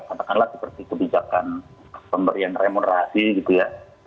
katakanlah seperti kebijakan pemberian remunerasi gitu ya